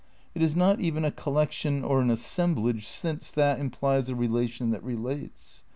It is not even a collection or an assemblage since that implies a relation that relates.